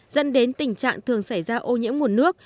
dẫn đến tình trạng thường xảy ra ô nhiễm nguồn nước